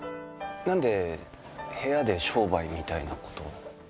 なんで部屋で商売みたいなことを？